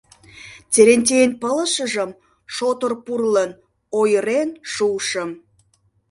— Терентейын пылышыжым шотыр пурлын, ойырен шуышым.